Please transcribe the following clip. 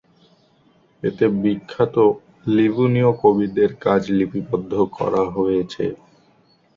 এতে বিখ্যাত লিভুনীয় কবিদের কাজ লিপিবদ্ধ করা হয়েছে।